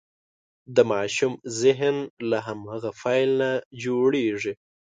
د ماشوم ذهن له هماغې پیل نه جوړېږي.